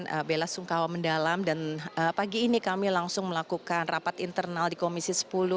kami bela sungkawa mendalam dan pagi ini kami langsung melakukan rapat internal di komisi sepuluh